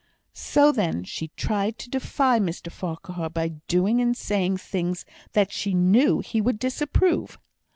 So then she tried to defy Mr Farquhar, by doing and saying things that she knew he would disapprove.